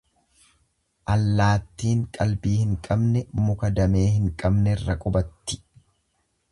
Allaattiin qalbii hin qabne muka damee hin qabnerra qubatti.